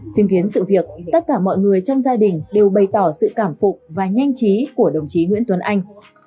chứng kiến sự việc tất cả mọi người trong gia đình đều bày tỏ sự cảm phục và nhanh trí của đồng chí nguyễn tuấn anh